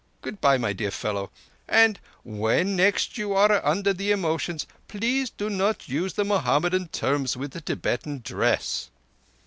Good bye, my dear fallow, and when next you are under thee emotions please do not use the Mohammedan terms with the Tibetan dress."